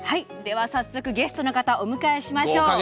早速、ゲストの方お迎えしましょう。